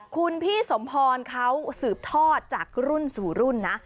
คุณพี่สมพรเขาสืบทอดจากรุ่นสู่รุ่นนะ